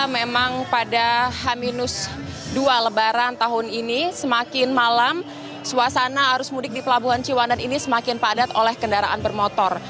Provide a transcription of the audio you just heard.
memang pada h dua lebaran tahun ini semakin malam suasana arus mudik di pelabuhan ciwandan ini semakin padat oleh kendaraan bermotor